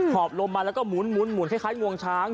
อบลมมาแล้วก็หมุนคล้ายงวงช้าง